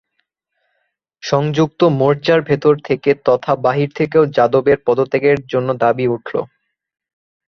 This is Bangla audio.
সংযুক্ত মোর্চার ভিতর থেকে তথা বাহির থেকেও যাদবের পদত্যাগের জন্য দাবী উঠল।